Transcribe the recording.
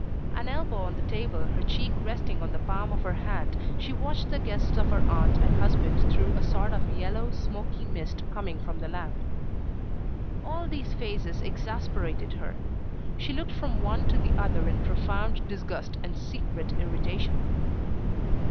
An elbow on the table, her cheek resting on the palm of her hand, she watched the guests of her aunt and husband through a sort of yellow, smoky mist coming from the lamp. All these faces exasperated her. She looked from one to the other in profound disgust and secret irritation.